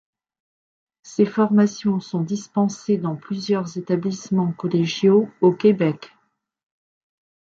Ces formations sont dispensées dans plusieurs établissements collégiaux au Québec.